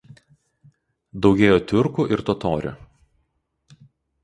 Daugėjo tiurkų ir totorių.